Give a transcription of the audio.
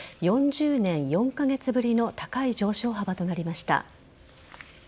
４０年４カ月ぶりの高い上昇幅となりました。